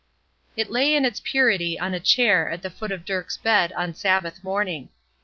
It lay in its purity on a chair at the foot of Dirk's bed on Sabbath morning.